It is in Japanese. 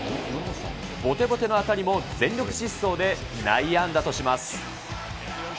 ぼてぼての当たりも全力疾走で内野安打とします。